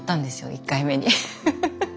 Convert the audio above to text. １回目に。